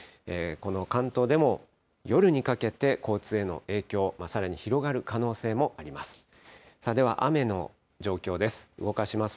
この関東でも、夜にかけて交通への影響、さらに広がる可能性もあります。